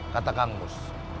kata kang bus